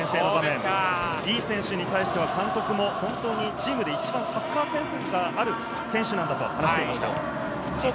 今のプレー、井伊選手に対しては監督も本当にチームで一番サッカーセンスがある選手なんだと話していました。